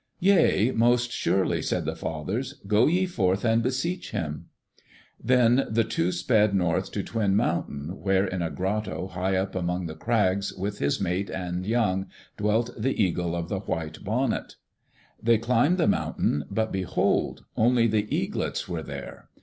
"Yea. Most surely," said the fathers. "Go ye forth and beseech him." Then the two sped north to Twin Mountain, where in a grotto high up among the crags, with his mate and his young, dwelt the Eagle of the White Bonnet. They climbed the mountain, but behold! Only the eaglets were there.